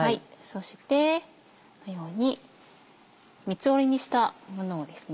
そしてこのように三つ折りにしたものをですね